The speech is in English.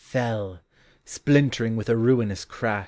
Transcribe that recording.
Fell splintering with a ruinous cms!..